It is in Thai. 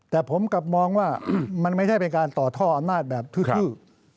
แต่ผมกลับมองว่ามันไม่ใช่เป็นการต่อท่ออำนาจแบบทื้อ